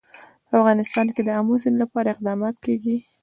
په افغانستان کې د آمو سیند لپاره اقدامات کېږي.